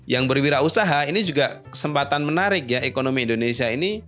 yang berwirausaha ini juga kesempatan menarik ya ekonomi indonesia ini